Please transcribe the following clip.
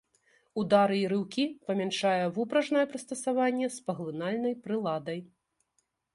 Удары і рыўкі памяншае вупражнае прыстасаванне з паглынальнай прыладай.